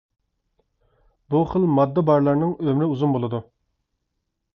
بۇ خىل ماددا بارلارنىڭ ئۆمرى ئۇزۇن بولىدۇ.